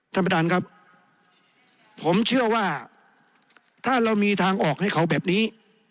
ท่านประธานครับผมเชื่อว่าถ้าเรามีทางออกให้เขาแบบนี้